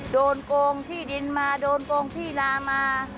โกงที่ดินมาโดนโกงที่นามา